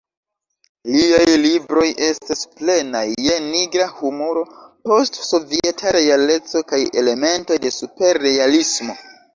Liaj libroj estas plenaj je nigra humuro, post-sovieta realeco kaj elementoj de superrealismo.